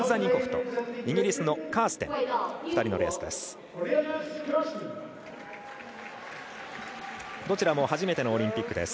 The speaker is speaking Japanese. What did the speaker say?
イギリスのカーステン。どちらも初めてのオリンピック。